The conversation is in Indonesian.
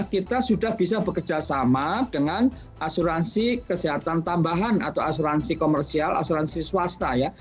kita sudah bisa bekerjasama dengan asuransi kesehatan tambahan atau asuransi komersial asuransi swasta